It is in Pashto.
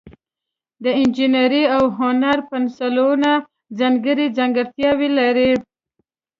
د انجینرۍ او هنر پنسلونه ځانګړي ځانګړتیاوې لري.